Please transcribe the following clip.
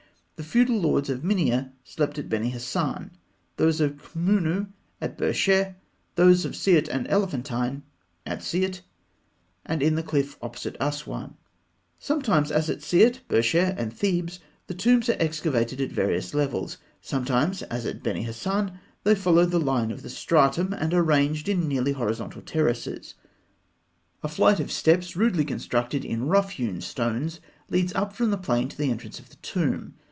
The feudal lords of Minieh slept at Beni Hasan; those of Khmûnû at Bersheh; those of Siût and Elephantine at Siût and in the cliff opposite Asûan (fig. 150). Sometimes, as at Siût, Bersheh, and Thebes, the tombs are excavated at various levels; sometimes, as at Beni Hasan, they follow the line of the stratum, and are ranged in nearly horizontal terraces. A flight of steps, rudely constructed in rough hewn stones, leads up from the plain to the entrance of the tomb.